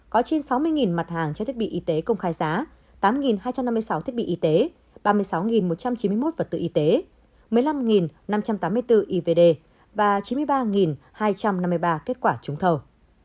có trên sáu mươi mặt hàng thiết bị y tế công khai giá tám hai trăm năm mươi sáu thiết bị y tế ba mươi sáu một trăm chín mươi một vật tư y tế một mươi năm năm trăm tám mươi bốn ivd và chín mươi ba hai trăm năm mươi ba kết quả trúng thầu